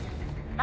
・あ！